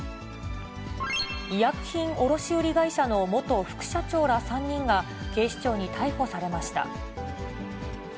医薬品卸売り会社の元副社長ら３人が、警視庁に逮捕されました。